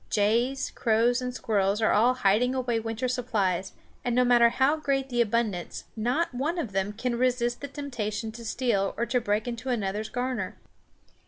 Jays, crows, and squirrels are all hiding away winter's supplies, and no matter how great the abundance, not one of them can resist the temptation to steal or to break into another's garner.